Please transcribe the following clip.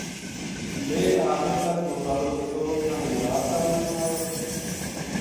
لے آخر تک وہ سارو قصو تھہانیدار صاحب نا سنایو